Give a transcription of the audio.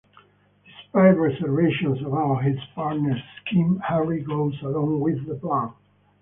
Despite reservations about his partner's scheme, Harry goes along with the plan.